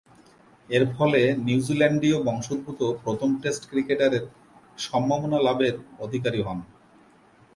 এরফলে, নিউজিল্যান্ডীয় বংশোদ্ভূত প্রথম টেস্ট ক্রিকেটারের সম্মাননা লাভের অধিকারী হন।